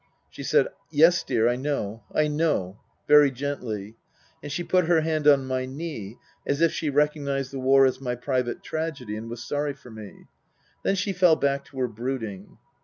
She said, " Yes, dear, I know, I know," very gently ; and she put her hand on my knee, as if she recognized the war as my private tragedy and was sorry for me. Then she fell back to her brooding.